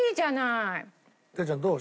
哲ちゃんどう？